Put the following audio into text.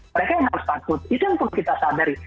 mereka yang harus takut itu yang perlu kita sadari